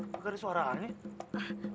gak ada suaranya